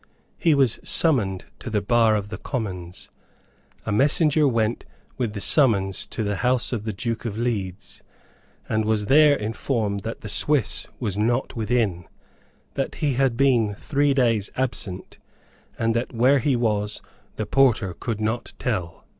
He was summoned to the bar of the Commons. A messenger went with the summons to the house of the Duke of Leeds, and was there informed that the Swiss was not within, that he had been three days absent, and that where he was the porter could not tell.